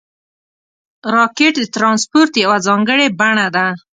راکټ د ترانسپورټ یوه ځانګړې بڼه ده